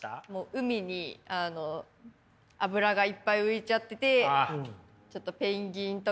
海に油がいっぱい浮いちゃっててちょっとペンギンとかが。